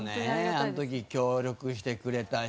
あの時協力してくれた人。